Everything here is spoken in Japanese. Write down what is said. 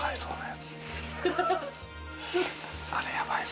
あれやばいぞ。